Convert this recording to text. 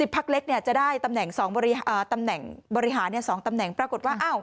๑๐พักเล็กจะได้ตำแหน่ง๒ตำแหน่งปรากฏว่า